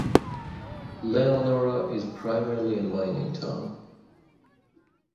Leonora is primarily a mining town.